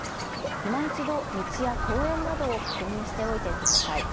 いま一度、道や公園などを確認しておいてください。